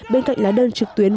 bên cạnh lá đơn trực tuyến